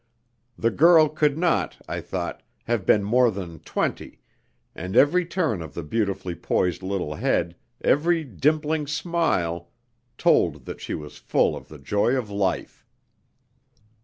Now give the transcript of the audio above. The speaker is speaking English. The girl could not, I thought, have been more than twenty, and every turn of the beautifully poised little head, every dimpling smile, told that she was full of the joy of life.